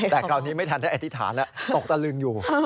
แต่คราวนี้ไม่ทันได้อธิษฐานแล้วตกตะลึงอยู่